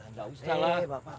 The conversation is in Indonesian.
nggak usah pak